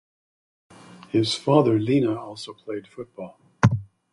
His father Line also played football.